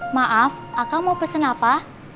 maaf aka mau pesan apa